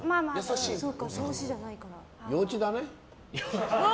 幼稚だね。